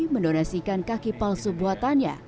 mendonasikan kaki palsu buatannya